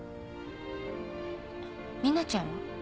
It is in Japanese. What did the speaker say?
あミナちゃんは？